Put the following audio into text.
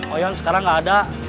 oyon sekarang gak ada